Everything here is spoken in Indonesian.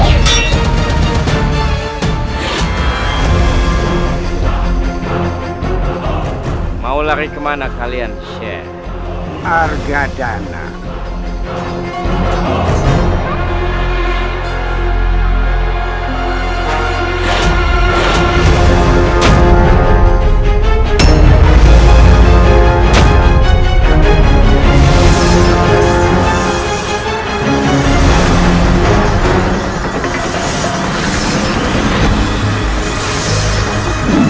sepertinya nyai kalingking dan raka runting butuh bantuanku